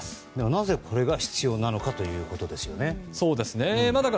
なぜこれが必要なのかということですね。